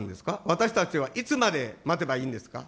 私たちはいつまで待てばいいんですか。